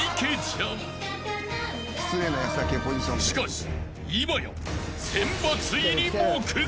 ［しかし今や］